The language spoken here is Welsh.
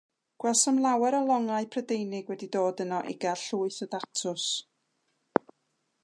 Gwelsom lawer o longau Prydeinig wedi dod yno i gael llwyth o datws.